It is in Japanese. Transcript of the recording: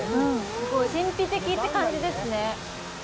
すごい神秘的って感じですね。